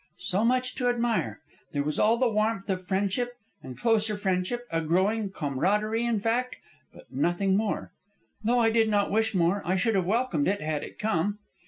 "So much to admire. There was all the warmth of friendship, and closer friendship, a growing camaraderie, in fact; but nothing more. Though I did not wish more, I should have welcomed it had it come."